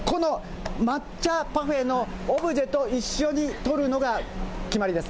抹茶パフェのオブジェと一緒に撮るのが決まりです。